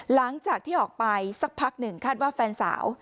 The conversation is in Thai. หลังจากที่ออกไปสักพักหนึ่งคาดว่าแฟนสาว